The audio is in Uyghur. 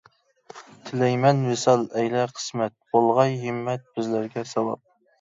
تىلەيمەن ۋىسال ئەيلە قىسمەت، بولغاي ھىممەت بىزلەرگە ساۋاپ.